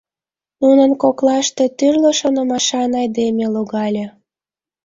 Нунын коклаште тӱрлӧ шонымашан айдеме логале.